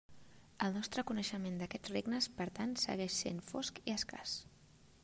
El nostre coneixement d'aquests regnes, per tant, segueix sent fosc i escàs.